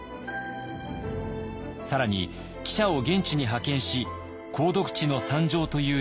更に記者を現地に派遣し「鉱毒地の惨状」という連載を展開。